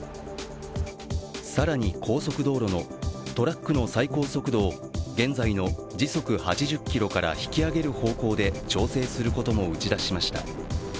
更に高速道路のトラックの最高速度を現在の時速８０キロから引き上げる方向で調整することも打ち出しました。